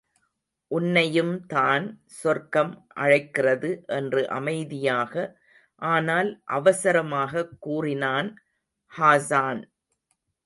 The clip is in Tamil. உன்னையும்தான் சொர்க்கம் அழைக்கிறது என்று அமைதியாக ஆனால் அவசரமாகக் கூறினான் ஹாஸான்.